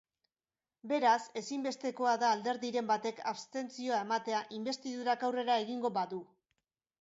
Beraz, ezinbestekoa da alderdiren batek abstentzioa ematea inbestidurak aurrera egingo badu.